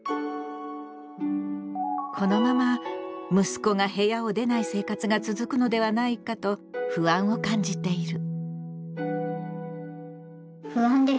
このまま息子が部屋を出ない生活が続くのではないかと不安を感じている。